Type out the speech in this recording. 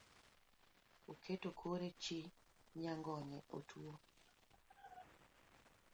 Oketo kore chi nyangonye otuo